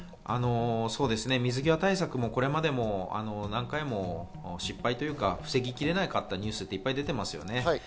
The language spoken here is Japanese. そうですね、水際対策もこれまでも何回も失敗というか防ぎきれなかったニュースがいっぱい出てますね。